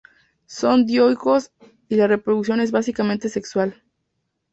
Son dioicos y la reproducción es básicamente sexual.